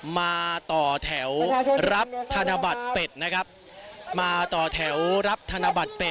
มาต่อแถวรับธานบัตรเป็ดนะครับ